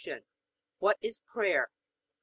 What is prayer? A.